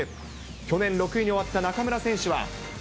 去年６位に終わった中村選手は。